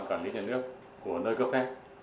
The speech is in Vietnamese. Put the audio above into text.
cảnh lý nhà nước của nơi cấp khác